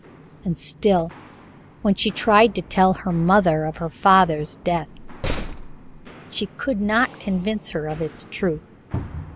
And still, when she tried to tell her mother of her father's death, she could not convince her of its truth.